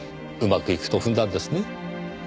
うまくいくと踏んだんですね。